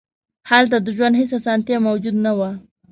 هلته د ژوند هېڅ اسانتیا موجود نه وه.